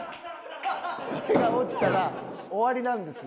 それが落ちたら終わりなんですよ。